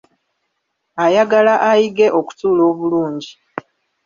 Ayagala ayige okutuula obulungi.